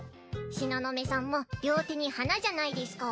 東雲さんも両手に花じゃないですか。